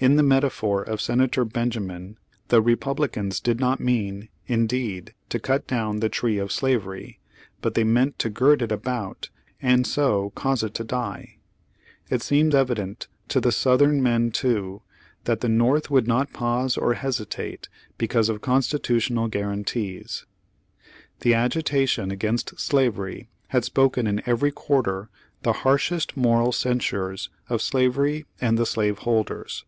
In the metaphor of Senator Ben jamin, the Republicans did not mean, indeed, to cut down the tree of slavery, but they meant to gird it about, and so cause it to die. It seemed evident to the Southern men, Page Fifty three too, that the North would not pause or hesitate because of constitutional guarantees. xhe agitation against slavery had spoken in every quarter the harshest moral censures of slavery and the slave holders.